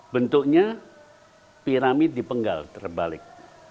bentuknya piramid dipenggal terbalik